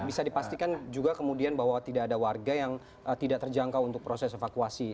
bisa dipastikan juga kemudian bahwa tidak ada warga yang tidak terjangkau untuk proses evakuasi